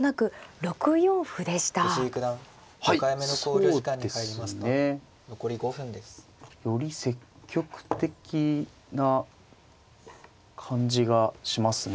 そうですねより積極的な感じがしますね。